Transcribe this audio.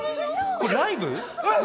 これライブ？